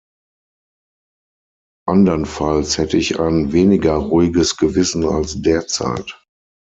Andernfalls hätte ich ein weniger ruhiges Gewissen als derzeit.